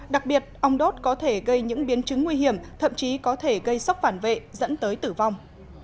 đặc biệt ong đốt có thể gây những biến chứng nguy hiểm thậm chí có thể gây sốc phản vệ dẫn tới tử vong